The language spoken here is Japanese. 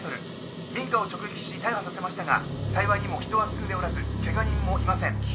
民家を直撃し大破させましたが幸いにも人は住んでおらずけが人もいません。